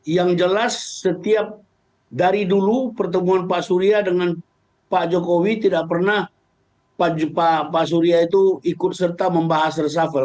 yang jelas setiap dari dulu pertemuan pak surya dengan pak jokowi tidak pernah pak surya itu ikut serta membahas reshuffle